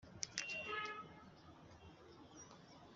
ishimire umwanya w'agaciro twagize,